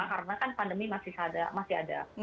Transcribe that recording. karena kan pandemi masih ada